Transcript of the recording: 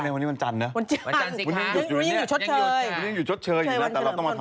วันที่วันใจนึก